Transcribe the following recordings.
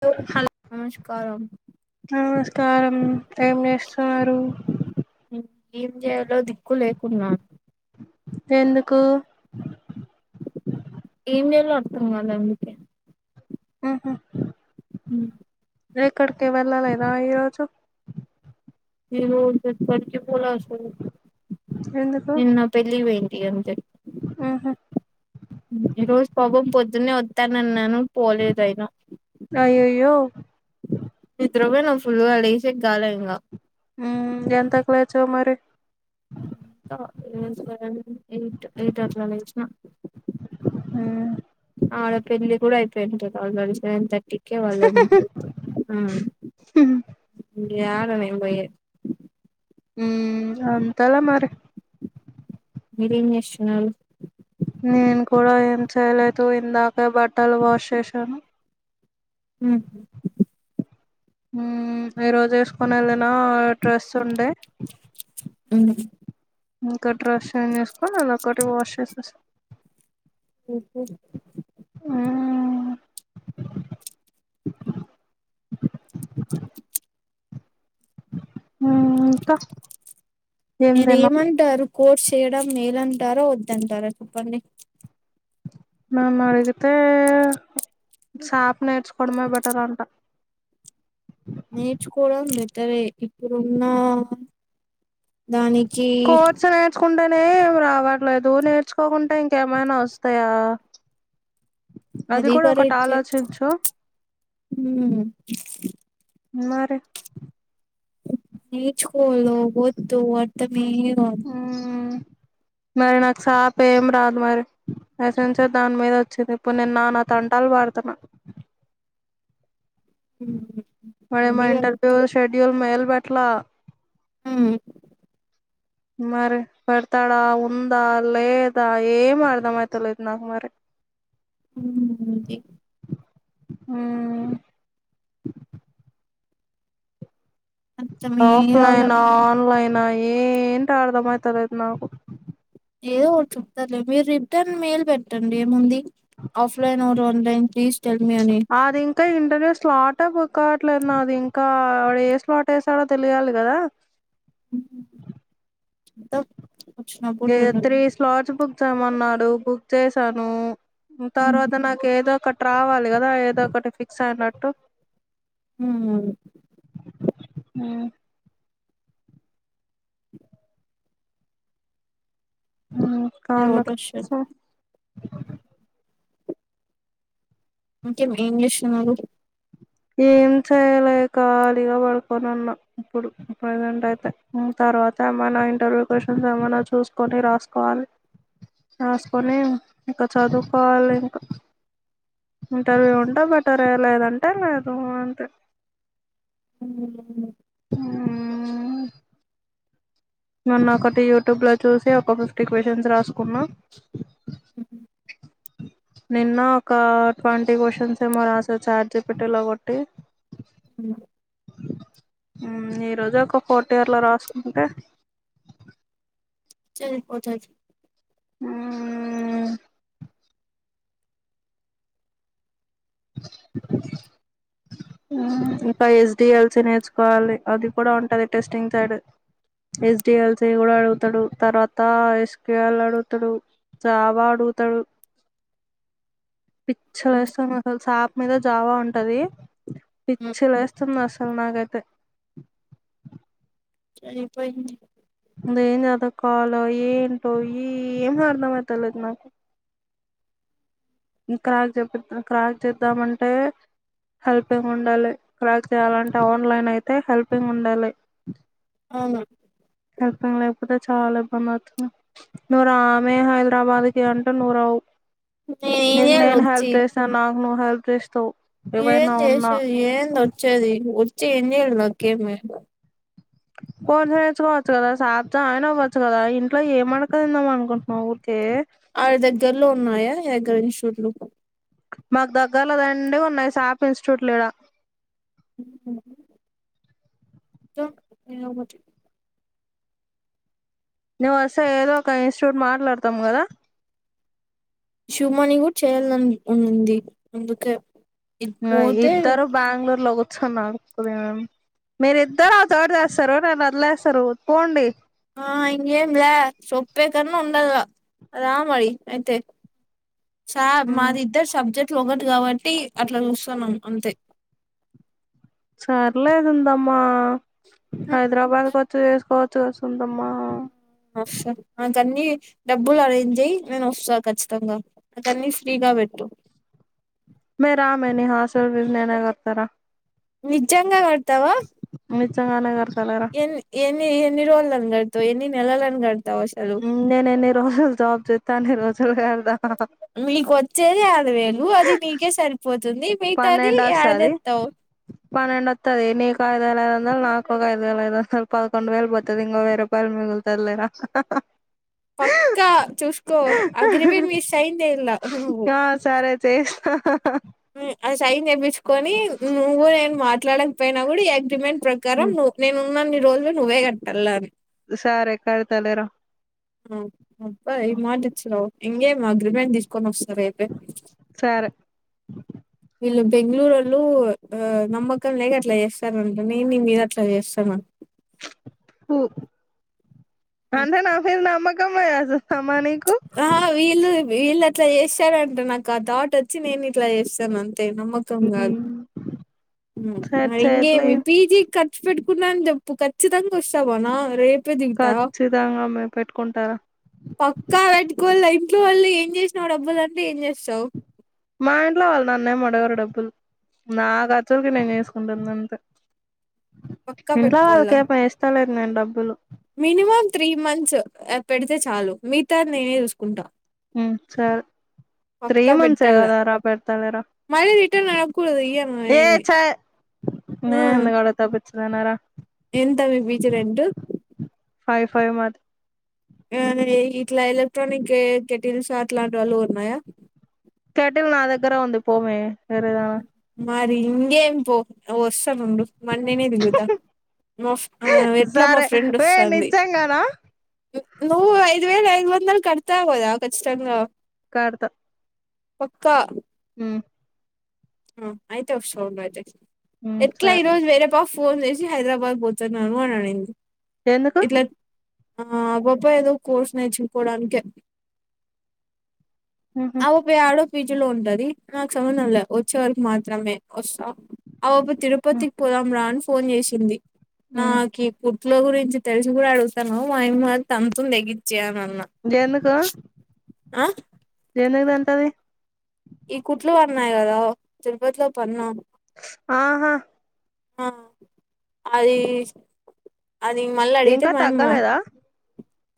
తో నమస్కారం నమస్కారం ఏం చేస్తున్నారు ఉం ఏం జేయాలో దిక్కు లేకున్నా ఎందుకు ఏం చేయాలో అర్థం గాల అందుకే అ హ ఉం ఎక్కడికి వెళ్లలేదా ఈ రోజు ఈరోజు ఎక్కడికి పోల అసలు నిన్న పెండ్లికి పోయింటి అంతే ఆహా ఈ రోజు పాపం పొద్దునే వద్దానన్నాను పోలేదు అయిన అయ్యయ్యో నిద్రపోయిన ఫుల్ గా లెసేకీ గాల ఇంకా ఎంతకు లేచావ్ మరి ఎంత [unintelligible] ఎయిట్ ఎయిట్ అట్లా లేచిన ఆ ఆడ పెళ్లి కూడ అయిపోయి ఉంటంది ఆల్రెడీ సెవెన్ థర్టీ కే వాళ్ల అందరితో ఆ ఉహు. యాడ నేను పోయేది ఉ ఇంకా అంతలె మరి మీరేం చేసున్నారు నేను కూడా ఏం చేయలేదు ఇందాక బట్టలు వాష్ చేశాను ఆహ ఉ ఈరోజు వేసుకొని వెళ్ళినా డ్రెస్ ఉండే ఉ [unintelligible] ఇంకా డ్రష్ చేంజ్ చేసుకొని అది ఒక్కటి వాష్ చేసేసా ఉహు [unintelligible] ఉమ్ ఉ ఇంకా ఏం మీరు తిన్నావ్ ఏమంటారు కోర్స్ చేయడం మేలు అంటారా వద్దంటారా చెప్పండి నన్ను అడిగితే షాప్ నేర్చుకోవడమే బెటర్ అంట నేర్చుకోవడం బెటరే ఇప్పుడున్న దానికి కోస [unintelligible] నేర్చుకుంటేనే ఏం రావట్లేదు నేర్చుకోకుంటే ఇంకేమైనా వస్తాయా అది కూడా ఒకటి ఆలోచించు ఉమ్ మరి నేర్చుకోవాలో వద్దు అర్థమే కాలే మ్మ్ మరి నాకు సాప ఏం రాదు మరి అససార్ దాని మీద వచ్చేది ఇప్పు నిన్న నా తంటాలు పడుతున్న ఉమ్ ఓయమ్మ అది ఇంటర్వ్యూ కరెక్టే షెడ్యూల్ మెల్ పెట్లా ఆ మరి పెడతాడా ఉందా లేదా ఏం అర్థమైతలే నాకు మరి ఉమ్ అంతే హ అర్థమే కాలే ఆఫ్లైన ఆన్లైనా ఏంటి అర్థమైత లేదు నాకు ఏదో ఒకటి చెప్తారులే మీరు రిటర్న్ మేలు పెట్టండి ఏముంది offline or online please tell me అని అది ఇంకా ఇంటనే స్లాటా బు కావట్లేదు నాది ఇంకాడ ఏ స్లాట్ వేసాడో తెలియాలి కదా హ తం [unintelligible] ఏ త్రీ స్లాట్స్ బుక్ చేయమన్నాడు బుక్ చేసాను ఉమ్ తర్వాత నాకు ఏదో ఒకటి రావాలి కదా ఏదో ఒకటి ఫిక్స్ అయినట్టు అవునవును మ్ మ్ ఏదో కాల ఒకటి వస్తది కోసం ఇంకే ఏం చేస్తున్నారు? ఏం చేయాల ఖాళీగా పడుకొని ఉన్నా ఇప్పుడు ప్రజెంట్ అయితే తర్వాత మనా ఇంటర్వ్యూ క్వ్చన్స్ ఏమన్నా చూసుకొని రాసుకోవాలి రాసుకొని ఇంకా చదువుకోవాలి ఇంకా ఇంటర్వ్యూ ఉంటే బెటర్ లేద అంటే లేదు అంతే అ ఆ మొన్న ఒకటి యూట్యూబ్ లో చూసి ఒక ఫిఫ్టీ క్వచన్స్ రాసుకున్నా. నిన్న ఒక ట్వంటీ క్వశ్చన్స్ ఏమో రాసారు చాట్ జి పి టి లో కోట్టి అ ఈ రోజు ఒక ఫోర్త్ ఇయర్ లో రాసుకుంటే తేలిపోతాది ఆ ఇంకా ఎస్డీ ఎల్స నేర్చుకోవాలి, అది కూడా ఉంటది testing side. S D L C కూడా అడుగుతాడు తర్వాత ఎస్ క్యూ ఎల్ అడుగుతాడు. జావా అడుగుతడు పిచ్చలు వేస్తాం అసలు సాప్ మీద జావా ఉంటది పిచ్చి లేస్తుంది అసలు నాకైతే అయి పోయింది ఏం చదువుకోవాలో ఏంటో ఏమ్ అర్థమవ్వట్లేదు నాకు ఇం క్రాస్ క్రాస్ చేద్దామంటే హెల్పింగ్ ఉండాలి క్రాస్ చేయాలంటే ఆన్లైన్ అయితే హెల్పింగ్ ఉండాలి అవును హెల్పింగ్ లేకపోతే చాలా ఇబ్బంది అవుతుంది నువ్వురావే హైదరాబాద్ కి అంటే నువ్వు నేను ఏం నీకు చేయాలి నేను హెల్ప్ వచ్చి చేస్త నాకు నువ్వు హెల్ప్ చేస్తవ్ ఏం చేసేది ఏంది వచ్చేది వచ్చి ఎన్ని ఏలు నా క కెమి కొంచసం నేర్చుకోవచ్చు కదా సార ఆయన అవ్వచ్చు కదా ఇంట్లో ఏమడకదిందామ అనుకుంటున్నాం ఊరికే ఆవి దగ్గర్లో ఉన్నాయా ఎగ్ [unintelligible] మాకు దగ్గరలో రోండే ఉన్నాయి సాప్ ఇన్స్టిట్యూట్ ఇడ ఇంకా [unintelligible] నువ్వు వస్తే ఏదో ఒక ఇన్స్టిట్యూట్ మాట్లాడతాం కదా. శివమన్నింగ్ చేయాల అని ఉంది అందుకే ఇది ఆ పోతే ఇద్దరు బెంగళూరులో కూర్చున్నారు మీరు ఇద్దరు ఆ థర్డ్ చేస్తారు నన్ను అదిలేస్తారు పోండి ఆ ఇంగేంలే సొప్పే కన్నా ఉండదు రా మరి అయితే సార్ మాదిద్దరు సబ్జెక్ట్లు ఒకటి కాబట్టి అట్లా చూస్తున్నాం అంతే సర్లేదుందమ్మా హైదరాబాద్కి వచ్చి చేసుకోవచ్చు [inaudible] వస్తా నాకన్నీ డబ్బులు అరేంజ్ చేయ్ నేను వస్తా ఖచ్చితంగా నాకాన్ని ఫ్రీ గా పెట్టు మే రామె నీ హాస్టెల్ విన్ నైనాక వతారా నిజంగా క తవా [unintelligible] ఎ ఎన్ని ఎన్ని రోజులు అన్నట్టు ఎన్ని నెలలని గడతవ్ అసలు నేను ఎన్ని రోజలు జబ్ చెత్తే అన్నీ రోజులు కద మీకు వచ్చేది ఆరు వేలు అది నీకే సరిపోతుంది మిగతాది పన్నెండు వస్తది ఎడతెతావ్ పన్నెండు వత్తాది నీకు ఐదు వేల ఐదొందల్ నాకు ఒక ఐదు వేల ఐదుందాలు పదకొండు వేలు పోతుది ఇంకో వెయ్యి రూపా యల్ మిగుల్తది లేరా పక్కా చూస్కో అగ్రిమెంట్ మీద సైన్ చేయాలా నువ్వు ఆ సరే చేస్త ఆ సైన్ చేప్పించుకోని నువ్వు నేను మాట్లాడకపోయినా కూడా ఈ అగ్రిమెంట్ ప్రకారం నువ్వు నేను ఉన్నాన్నీ రోజులు నువ్వే కట్టలని సరే కడతలేర ఉమ్ అబ్బ మట్టిచ్చినవ్ ఇంకేం అగ్రిమెంట్ తీసుకొని వస్తా రేపే సరే వీళ్ళు బెంగళూరుళ్ళు ఆ నమ్మకం లేక అట్లా చేస్తరంట నేను నీ మీద అట్లా చేస్తా మర్ అంటే నాపైన నామకమ్ లేదా అసలే సమా నీకు ఆ వీళ్ళు వీళ్ళు అట్లా చేసారంట నాకు ఆ థౌట్ వచ్చి నేను ఇట్లా చేస్తాను అంత తే నమ్మకం కాదు సరే మరి చేయిలే ఇంకేమి పీజీ ఖర్చు పెట్టుకున్నాని చెప్పు ఖచ్చితంగా వస్తా పోనా రేపు ఖచ్చితంగా మేము పెట్టుకుంటారా పక్కా పెట్టుకుళ్ళ ఇంట్లో వాళ్ళు ఏం చేసినావు డబ్బులుంటే ఏం చేస్తావు మా ఇంట్లో వాళ్ళు నన్నేం అడగరు డబ్బులు నా ఖర్చులకి నేను చేసుకుంటుంది అంతే పక్కా ఇంట్లో పెట్టుకోవాల వాళ్ళకేపా ఇస్తలేదు నేను డబ్బులు మినిమం త్రీ మంత్స్ పెడితే చాలు మిగతా నేనే చూసుకుంటా ఉమ్ సరే త్రీ పక్కా మంత్సే పెట్టాల కదా రా పెడతనేరా మళ్ళీ రిటర్న్ అడగకూడదు ఇయ్యను ఏ ఏమి చ ఆ నేను ఎందుకు అడుగుతా పిచ్చిదన రా ఎంత మీ పీజీ రెంట్టు ఫైవ్ ఫైవ్ మాది ఆ ఇట్లా ఎలక్ట్రానిక్ కెటిల్స్ అలాంటి వాళ్ళు అల్లో ఉన్నాయా కేటలే నా దగ్గర వంది పోమే వెరిదన మరి ఇంకేం పో వస్తానుండు మండెనే నేనే దిగుతా మా ఫ్రె ఆ ఎట్లా మా సరే ఫ్రెండ్ ఏ వస్తుంది నిజంగానా నువ్ ఐదువేల ఐదువందల్ కడతావ్ కదా ఖచ్చితంగా కడత పక్క ఉమ్ ఆ అయితే వస్తా ఉండు అయితే ఉమ్ ఎట్లా సరే ఈ రోజు వేరే ప ఫోన్ చేసి హైదరాబాద్ పోతున్నాను అని అనిన్ది ఎందుకు ఇట్లా ఆ పాప ఏదో కోర్స్ నేర్చుకోవడానికే. హు హూ ఆ పాప యాడో పిజిలో ఉంటది. నాకు సంబంధం లే వచ్చే వరకు మాత్రమే వస్తా. ఆ పాప ఉ తిరుపతికి పోదాం రా అని ఫోన్ చేసింది ఉమ్ నాకి. ఇంట్లో గురించి తెలిసి కూడా అడుగుతున్నావ్ మా యామ్మ తంతుంది ఎగిచ్చి అని అన్నా. ఎందుకు ఆ ఎందుకు తంతాది. ఈ కుట్లు పన్నాయి కదా తిరుపతిలో పన్నా. ఆహా! హా అది అది మళ్ళీ అడిగితే ఇంకా మాయమ్మ తగ్గలేదా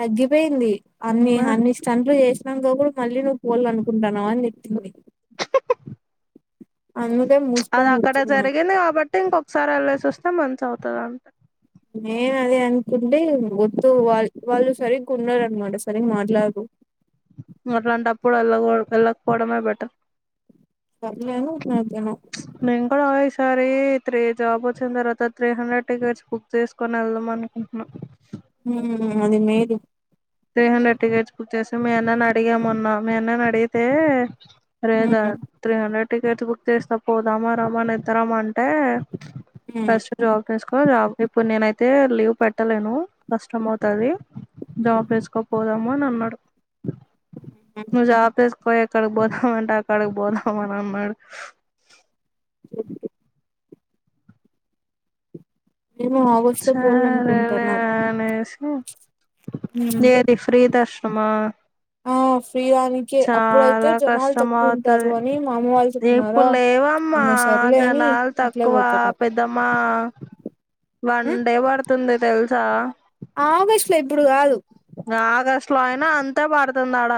తగ్గిపోయింది అన్నీ మరి అన్నీ స్టంట్లు చేసినంక కూడా మళ్ళీ నువ్వు పోలా అనుకుంటున్నావా అని తిట్టింది. అందుకే అది మూసుకొని అక్కడే కూర్చున్నా జరిగింది కాబట్టి ఇంకొకసారి వెళ్ళేసి వస్తే మంచి అవుతాది అంతే. నేను అదే అనుకుంటే వద్దు వాళ్ళు సరిగ్గా ఉండరు అన్నమాట సరిగ్గా మాట్లాడరు. నువ్వు అట్లాంటప్పుడు వెళ్ళకపోవడమే బెటర్. [inaudible] ఏమో నేను కూడా పోయి ఈసారి త్రీ జాబ్ వచ్చిన తర్వాత త్రీ హండ్రెడ్ టికెట్స్ బుక్ చేసుకొని వెళ్దాం అనుకుంటున్నా. మ్ అది మేలు త్రి హండ్రెడ్ టికెట్స్ బుక్ చేసి మీ అన్నని అడిగాను మొన్న మీ అన్నని అడిగితే ఊ త్రీ హండ్రెడ్ టికెట్స్ బుక్ చేస్తా పోదామా రమ్మని ఇద్దారము అంటే ఊ అస్ [inaudible] జాబ్ చేసుకో జాబ్ ఇప్పుడు నేనైతే లీవ్ పెట్టలేను కష్టం అవుతాది. చేసుకోపోదాము అని అన్నాడు నువ్వు జాబ్ కోపోయి. ఎక్కడికి పోదామంటే అక్కడికి పోదాము అని అన్నాడు. ఓ నేను ఆగస్టు లో సరేలే పోవాలనుకుంటున్నాను. అనేసి ఏది ఫ్రీ దర్శనమా ఆ ఫ్రీ దానికే అప్పుడైతే చాలా జనాలు తక్కువ ఉంటారు అని మా అమ్మ వాళ్ళు రేపు చెప్తున్నారా లేవమ్మా ఇంగ సర్లే అని జనాలు అట్లే తక్కువ పోతున్నాం పెద్దమ్మా వన్ ఉ డే పడుతుంది తెలుసా? ఆగస్టు లో ఇప్పుడు కాదు. ఆగస్టు లో అయినా అంతే పడుతుంది ఆడ.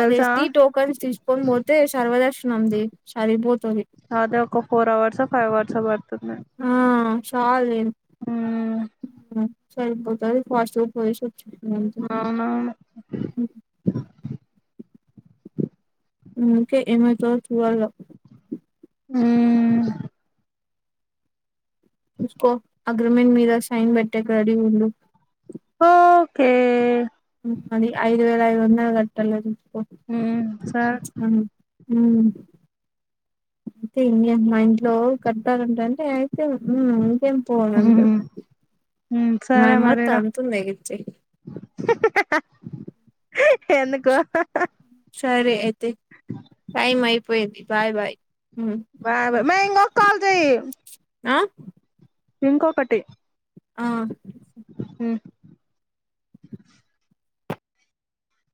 అదే ఎస్డి టోకన్స్ తీసుకొని పోతే సర్వదర్శనంది సరిపోతుంది. అదే ఒక ఫోర్ అవర్స్ ఫైవ్ అవర్స్ పడుతుంది. ఆ చాలు ఉమ్ సరిపోతాది ఫాస్ట్ గా పోయేసి ఏం చెప్పింది. అవునవును ఉంటే ఏమైతాదో చూడాల మ్ చూసుకో అగ్రిమెంట్ మీద సైన్ పెట్టేకి రెడీగా ఉండు ఓకే అది ఐదు వేల ఐదు వందలు కట్టల్ల చూసుకో ఉమ్ సరే మ్ అయితే ఇంకేమి మా ఇంట్లో కడట్టాలంట అంటే ఇంకేం ఉ ఇంకేం పో అని అంటడు ఉమ్ మా సరే యామ్మో మరిరా తంతుంది ఎగిచ్చి ఎందుకు సరే అయితే టైం అయిపోయింది బాయ్ బాయ్ ఉమ్ బా బా ఉమ్, మే ఇంకో కాల్ చెయ్ ఆ ఇంకొకటి ఆ ఉ